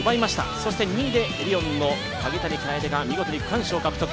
そして２位でエディオンの萩谷楓が見事に区間賞獲得。